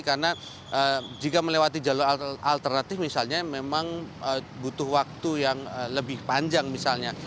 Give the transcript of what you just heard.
karena jika melewati jalur alternatif misalnya memang butuh waktu yang lebih panjang misalnya